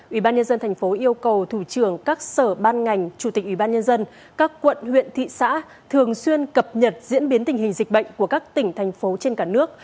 ủy ban nhân dân thành phố yêu cầu thủ trưởng các sở ban ngành chủ tịch ủy ban nhân dân các quận huyện thị xã thường xuyên cập nhật diễn biến tình hình dịch bệnh của các tỉnh thành phố trên cả nước